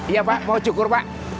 iya pak mau cukur pak